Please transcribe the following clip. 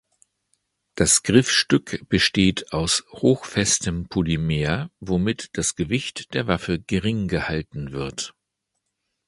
Das Griffstück besteht aus hochfestem Polymer, womit das Gewicht der Waffe gering gehalten wird.